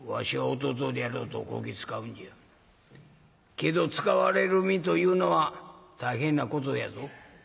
けど使われる身というのは大変なことやぞ。